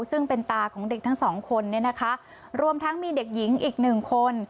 ซึ่งเป็นตาของเด็กทั้งสองคนเนี่ยนะคะรวมทั้งมีเด็กหญิงอีกหนึ่งคน